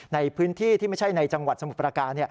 ในพื้นที่ที่ไม่ใช่ในจังหวัดสมุทรประการ